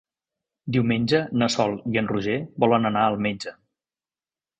Diumenge na Sol i en Roger volen anar al metge.